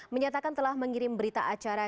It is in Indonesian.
menyatakan telah mengirim berita acara